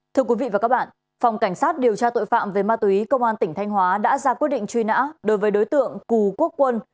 thưa quý vị và các bạn phòng cảnh sát điều tra tội phạm về ma túy công an tỉnh thanh hóa đã ra quyết định truy nã đối với đối tượng cù quốc quân